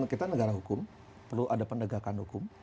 kita negara hukum perlu ada penegakan hukum